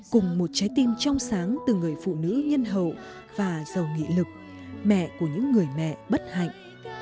cùng một trái tim trong sáng từ người phụ nữ nhân hậu và giàu nghị lực mẹ của những người mẹ bất hạnh